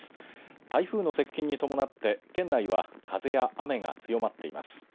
台風の接近に伴って県内は風や雨が強まっています。